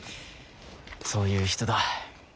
そういう人だ。